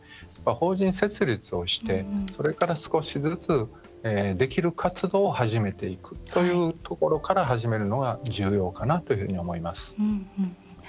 法人設立をしてそれから少しずつできる活動を始めていくというところから始めるのが重要かなと思います。